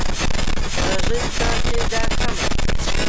ڕێژەی کوتان تێیدا کەمە